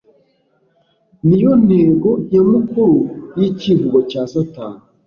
niyo ntego nyamukuru yicyivugo cya satani